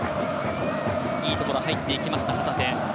いいところに入っていきました旗手。